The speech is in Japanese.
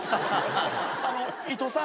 あの伊藤さん。